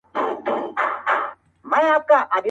• نوره گډا مه كوه مړ به مي كړې.